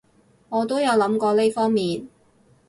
我都有諗過呢方面